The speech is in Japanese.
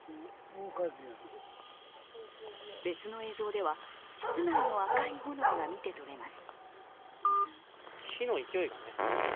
別の映像では室内の赤い炎が見てとれます。